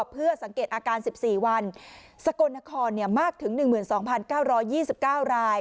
เพื่อสังเกตอาการสิบสี่วันสกลนครเนี้ยมากถึงหนึ่งเหมือนสองพันเก้าร้อยยี่สิบเก้าราย